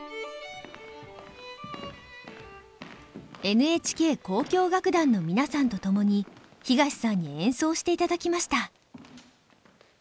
ＮＨＫ交響楽団の皆さんと共に東さんに演奏していただきました。